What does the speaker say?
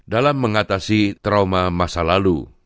dalam mengatasi trauma masa lalu